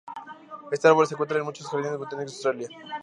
Este árbol se encuentra en muchos jardines botánicos de Australia.